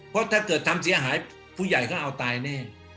เพราะถ้าเกิดทำเสียหายผู้ใหญ่ก็เอาตายแน่